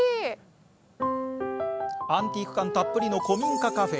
アンティーク感たっぷりの古民家カフェ。